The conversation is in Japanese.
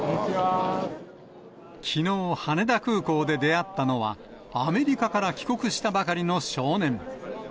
きのう、羽田空港で出会ったのは、アメリカから帰国したばかりの少年。